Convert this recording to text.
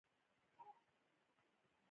اوس هم شتمن عر ب لویدیځو هېوادونو ته ځي.